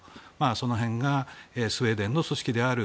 その辺がスウェーデンの組織である